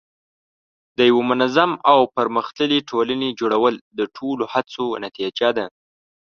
د یوه منظم او پرمختللي ټولنې جوړول د ټولو هڅو نتیجه ده.